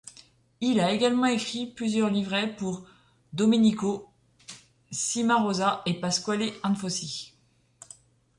Il a également écrit plusieurs livrets pour Domenico Cimarosa et Pasquale Anfossi.